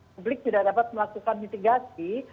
publik tidak dapat melakukan mitigasi